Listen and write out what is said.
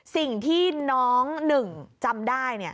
สิ่งที่น้องหนึ่งจำได้